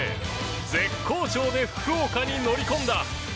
絶好調で福岡に乗り込んだ。